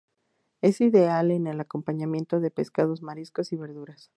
Es ideal en el acompañamiento de pescados, mariscos y verduras.